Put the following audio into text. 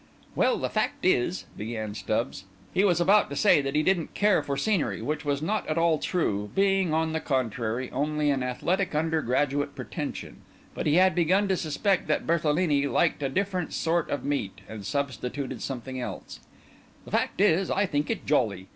"Well, the fact is," began Stubbs—he was about to say that he didn't care for scenery, which was not at all true, being, on the contrary, only an athletic undergraduate pretension; but he had begun to suspect that Berthelini liked a different sort of meat, and substituted something else—"The fact is, I think it jolly.